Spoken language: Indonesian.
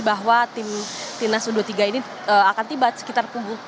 bahwa timnas u dua puluh tiga ini akan tiba sekitar pukul tujuh empat puluh